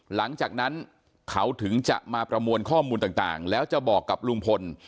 หลังจากนั้นเขาถึงจะมาประมวลข้อมูลต่างแล้วจะบอกกับลุงพล